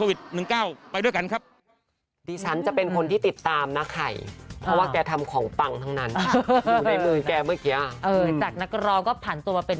วิดกันไปคุณผู้ชมค่ะ